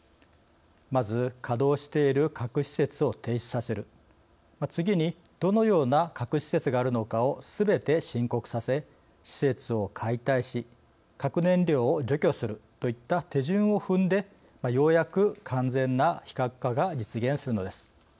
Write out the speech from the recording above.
まず稼働している核施設を停止させる次に、どのような核施設があるのかをすべて申告させ施設を解体し核燃料を除去するといった手順を踏んでようやく完全な非核化が実現するのです。